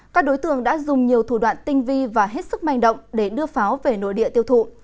các đối tượng đã dùng nhiều thủ đoạn tinh vi và hết sức manh động để đưa pháo về nội địa tiêu thụ